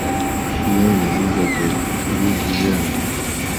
Yena bilegele lwimu uyende.